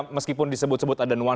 meskipun disebut sebut ada nuansa